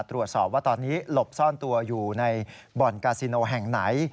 ตรวจสอบว่าตอนนี้หลบซ่อนตัวอยู่ในบ่อนกาซิโนแห่งไหน